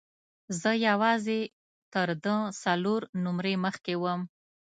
زه یوازې تر ده څلور نمرې مخکې وم.